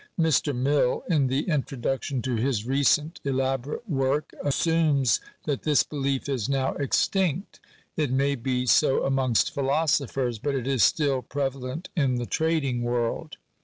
Mr. Mill, in the introduc tion to his recent elaborate work, assumes that this belief is now extinct. It may be so amongst philosophers, but it is still prevalent in the trading world.